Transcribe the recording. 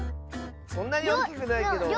そんなにおおきくないけど。